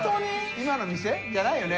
今の店？じゃないよね？